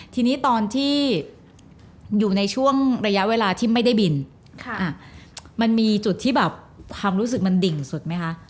ทีนี้ตอนที่อยู่ในช่วงระยะเวลาที่ไม่ได้บินมันมีจุดที่แบบความรู้สึกมันดิ่งสุดไหมคะ